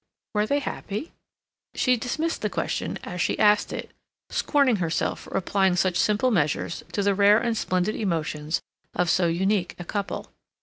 Were they happy? She dismissed the question as she asked it, scorning herself for applying such simple measures to the rare and splendid emotions of so unique a couple.